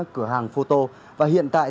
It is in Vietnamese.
cửa hàng photocopy và hiện tại